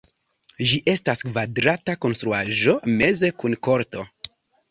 Ĝi estas kvadrata konstruaĵo meze kun korto.